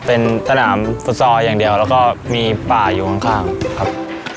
เป็นสนามฟุตซอลอย่างเดียวแล้วก็มีป่าอยู่ข้างครับ